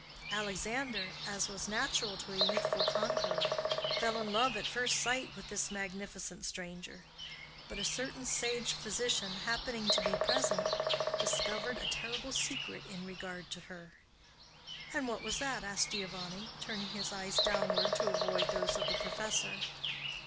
Alexander, as was natural to a youthful conqueror, fell in love at first sight with this magnificent stranger; but a certain sage physician, happening to be present, discovered a terrible secret in regard to her." "And what was that?" asked Giovanni, turning his eyes downward to avoid those of the professor.